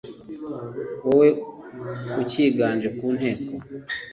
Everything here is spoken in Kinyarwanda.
wowe ukiganje ku nteko ,